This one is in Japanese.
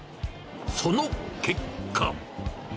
その結果。